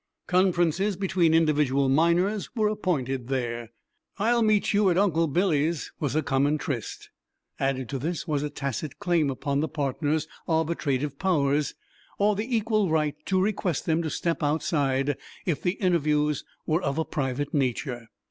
Conferences between individual miners were appointed there. "I'll meet you at Uncle Billy's" was a common tryst. Added to this was a tacit claim upon the partners' arbitrative powers, or the equal right to request them to step outside if the interviews were of a private nature.